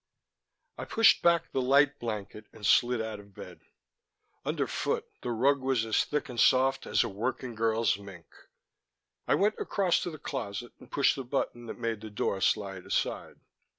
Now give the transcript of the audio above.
I pushed back the light blanket and slid out of bed. Underfoot, the rug was as thick and soft as a working girl's mink. I went across to the closet and pushed the button that made the door slide aside.